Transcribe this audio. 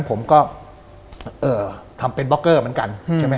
ผมก็ทำเป็นบล็อกเกอร์เหมือนกันใช่ไหม